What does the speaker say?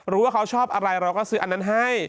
รู้ว่าเขาชอบอะไรเราก็ซื้ออันนั้นให้